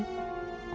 あ。